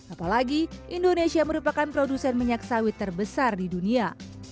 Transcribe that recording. apalagi indonesia merupakan produsen minyak sawit terbesar di dunia